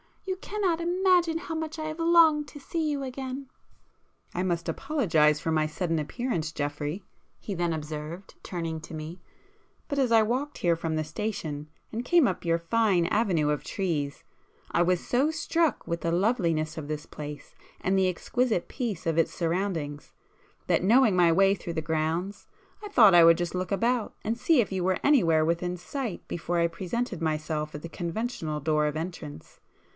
"You cannot imagine how much I have longed to see you again!" "I must apologise for my sudden appearance, Geoffrey,"—he then observed, turning to me—"But as I walked here from the station and came up your fine avenue of trees, I was so struck with the loveliness of this place and the exquisite peace of its surroundings, that, knowing my way through the grounds, I thought I would just look about and see if you were anywhere within sight before I presented myself at the conventional door of entrance.